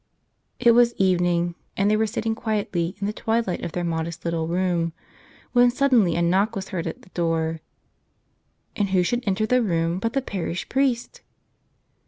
It was evening, and they were sitting quietly in the twilight of their modest little room, when sud¬ denly a knock was heard at the door. And who should enter the room but the parish priest!